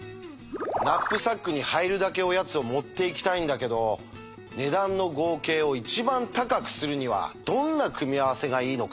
ナップサックに入るだけおやつを持っていきたいんだけど値段の合計を一番高くするにはどんな組み合わせがいいのか。